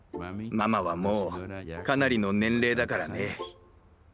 ママはもうかなりの年齢だからね。